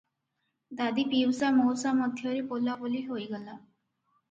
ଦାଦି ପିଉସା ମଉସା ମଧ୍ୟରେ ବୋଲାବୋଲି ହୋଇଗଲା ।